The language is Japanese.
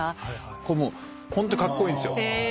こうもうホントカッコイイんですよ。